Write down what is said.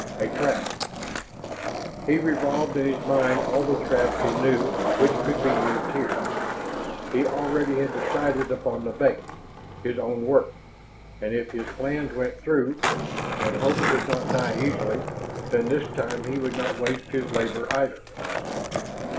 A trap.... He revolved in his mind all the traps he knew which could be used here. He already had decided upon the bait his own work. And if his plans went through and hope does not die easily then this time he would not waste his labor either.